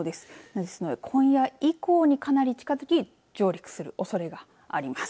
今夜以降にかなり近づき上陸するおそれがあります。